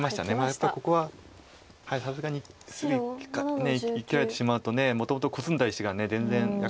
やっぱりここはさすがに次生きられてしまうともともとコスんだ石が全然役に立ってないので。